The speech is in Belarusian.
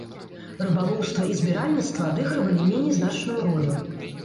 Рыбалоўства і збіральніцтва адыгрывалі меней значную ролю.